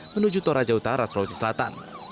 menuju toraja utara sulawesi selatan